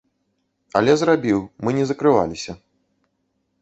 Але зрабіў, мы не закрываліся.